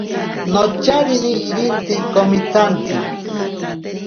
Nocharine irintsi komitsantsi.